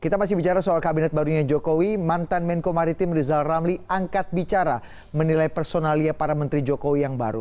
kita masih bicara soal kabinet barunya jokowi mantan menko maritim rizal ramli angkat bicara menilai personalia para menteri jokowi yang baru